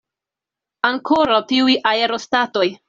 Ankoraŭ tiuj aerostatoj!